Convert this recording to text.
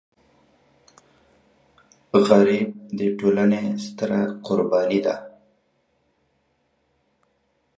غریب د ټولنې ستره قرباني ده